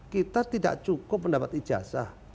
kita tidak cukup mendapat ijazah